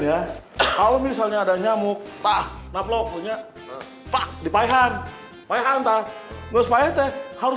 maksudnya om dudung itu